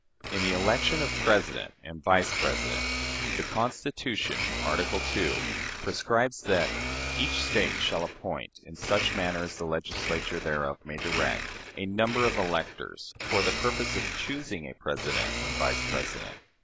In the election of President and Vice President the Constitution (Article II) prescribes that "each State shall appoint, in such manner as the Legislature thereof may direct, a number of electors" for the purpose of choosing a President and Vice President.